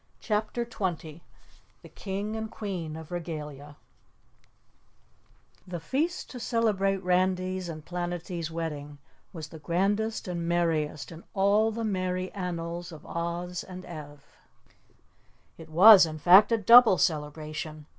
CHAPTER 20 King and Queen of Regalia The feast to celebrate Randy's and Planetty's wedding was the grandest and merriest in all the merry annals of Oz and Ev. It was, in fact, a double celebration.